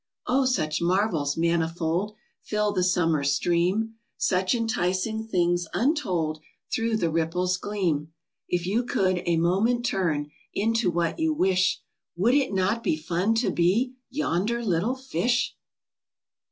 Oh, such marvels manifold Fill the summer stream, Such enticing things untold Through the ripples gleam, If you could a moment turn Into what you wish, Would it not be fun to be Yonder little fish?